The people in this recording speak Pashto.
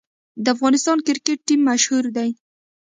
د افغانستان کرکټ ټیم مشهور دی